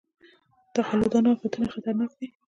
د غلو دانو افتونه خطرناک دي.